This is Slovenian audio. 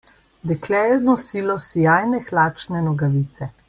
Dekle je nosilo sijajne hlačne nogavice.